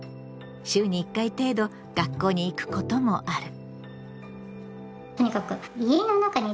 週に１回程度学校に行くこともある。